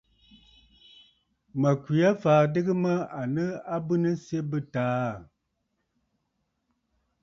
Mə̀ kwe aa fàa adɨgə mə à nɨ abwenənsyɛ bɨ̂taà aà.